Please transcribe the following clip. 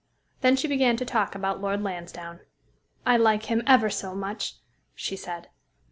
Then she began to talk about Lord Lansdowne. "I like him ever so much," she said.